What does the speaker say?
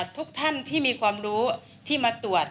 ทุกท่านที่มีความรู้ที่มาตรวจ